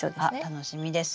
楽しみです。